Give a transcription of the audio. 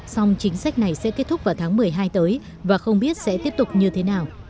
song chính sách này sẽ kết thúc vào tháng một mươi hai tới và không biết sẽ tiếp tục như thế nào